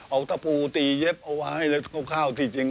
เอาตะปูตีเย็บเอาไว้แล้วก็ข้าวที่จริง